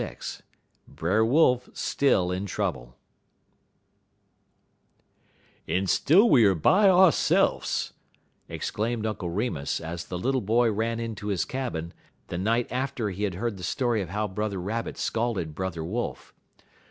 XLVI BRER WOLF STILL IN TROUBLE "En still we er by ourse'fs," exclaimed Uncle Remus, as the little boy ran into his cabin, the night after he had heard the story of how Brother Rabbit scalded Brother Wolf.